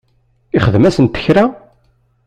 Ixdem-asent kra?